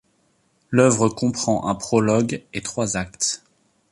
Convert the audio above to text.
L'œuvre comprend un prologue et trois actes.